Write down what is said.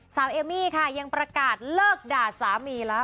เอมมี่ค่ะยังประกาศเลิกด่าสามีแล้ว